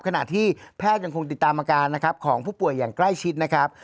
ขณะที่แพทย์ยังคงติดตามอาการนะครับของผู้ป่วยอย่างใกล้ชิดนะครับ